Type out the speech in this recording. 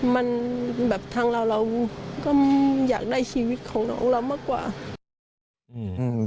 มันแบบทางเราเราก็อยากได้ชีวิตของน้องเรามากกว่าอืม